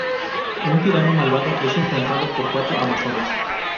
Un tirano malvado es enfrentado por cuatro amazonas.